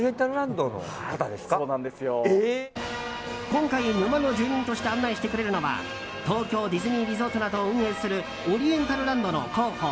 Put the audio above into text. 今回、沼の住人として案内してくれるのは東京ディズニーリゾートなどを運営するオリエンタルランドの広報